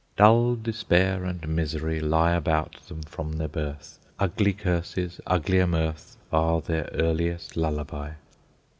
"Dull despair and misery Lie about them from their birth; Ugly curses, uglier mirth, Are their earliest lullaby."